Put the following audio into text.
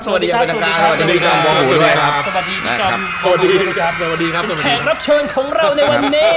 เป็นแขกรับเชิญของเราในวันนี้